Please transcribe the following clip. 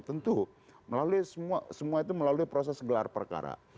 tentu semua itu melalui proses gelar perkara